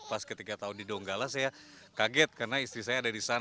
pas ketika tahu di donggala saya kaget karena istri saya ada di sana